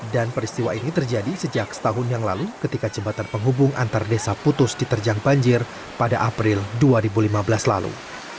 dan peristiwa ini terjadi sejak setahun yang lalu ketika jembatan penghubung antar desa putus diterjang banjir pada april dua ribu lima belas lalu